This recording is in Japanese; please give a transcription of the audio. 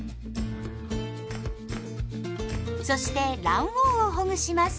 そして卵黄をほぐします。